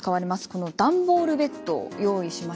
この段ボールベッドを用意しました。